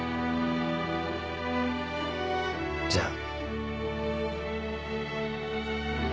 じゃあ。